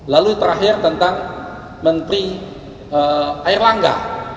lalu terakhir tentang menteri air langga